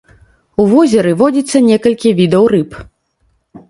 У возеры водзіцца некалькі відаў рыб.